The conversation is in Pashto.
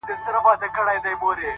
څوک وایي گران دی؛ څوک وای آسان دی؛